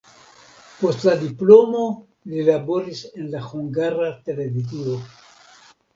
Post la diplomo li laboris en la Hungara Televizio.